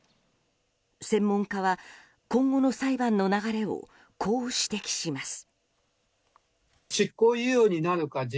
専門家は今後の裁判の流れをこう指摘します。